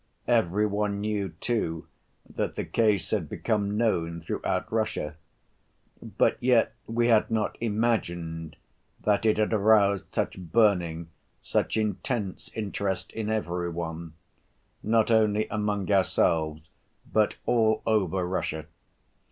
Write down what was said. Every one knew, too, that the case had become known throughout Russia, but yet we had not imagined that it had aroused such burning, such intense, interest in every one, not only among ourselves, but all over Russia.